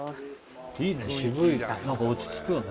いいね渋いなんか落ち着くよね